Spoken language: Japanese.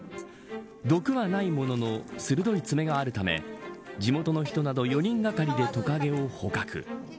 毒はないものの鋭い爪があるため地元の人など４人がかりでトカゲを捕獲。